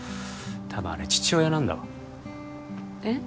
多分あれ父親なんだわえっ？